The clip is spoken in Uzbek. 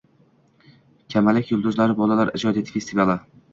Kamalak yulduzlari bolalar ijodiyoti festivali